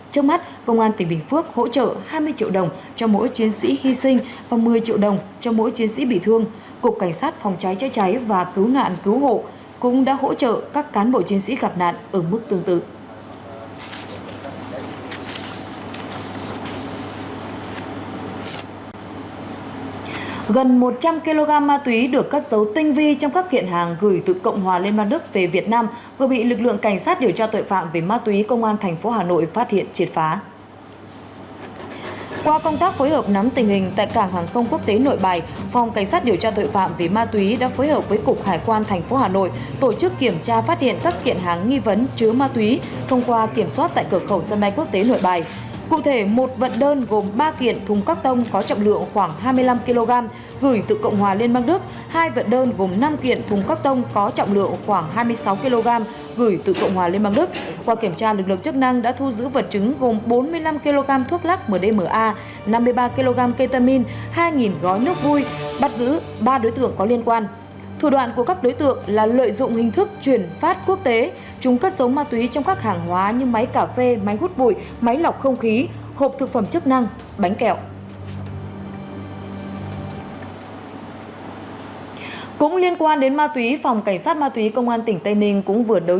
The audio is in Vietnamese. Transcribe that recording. trong mắt công an tỉnh bình phước hỗ trợ hai mươi triệu đồng cho mỗi chiến sĩ hy sinh và một mươi triệu đồng cho mỗi chiến sĩ bị thương cục cảnh sát phòng cháy chữa cháy và cấu nạn cứu hộ cũng đã hỗ trợ các cán bộ chiến sĩ gặp nạn ở mức tương tự